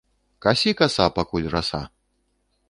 Касі, каса, пакуль раса!